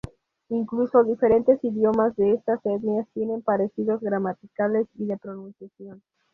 Incluso los diferentes idiomas de estas etnias tienen parecidos gramaticales y de pronunciación.